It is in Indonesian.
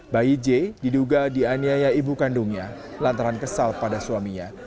bayi j diduga dianiaya ibu kandungnya lantaran kesal pada suaminya